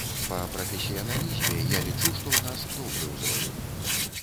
Па прафесіяналізме, я лічу, што ў нас добры ўзровень.